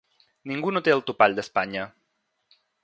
Ningú no té el topall d’Espanya.